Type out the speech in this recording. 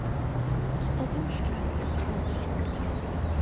წყობა მშრალია, ქაოსური.